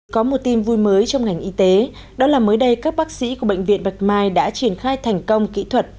có một tim vui mới trong ngành y tế đó là mới đây các bác sĩ của bệnh viện bạch mai đã triển khai thành công kỹ thuật